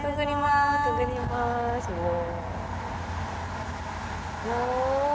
すごい。